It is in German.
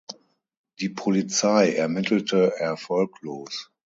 Die Polizei ermittelte erfolglos.